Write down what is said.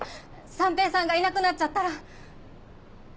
三瓶さんがいなくなっちゃったら。